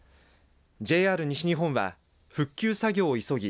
ＪＲ西日本は復旧作業を急ぎ